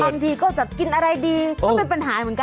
ทีก็จะกินอะไรดีก็เป็นปัญหาเหมือนกัน